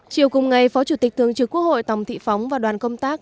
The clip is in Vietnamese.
chiều cùng ngày phó chủ tịch thường trực quốc hội tòng thị phóng và đoàn công tác